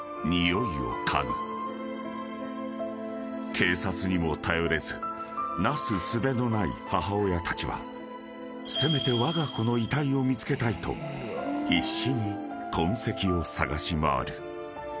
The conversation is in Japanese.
［警察にも頼れずなすすべのない母親たちはせめてわが子の遺体を見つけたいと必死に痕跡を探し回る］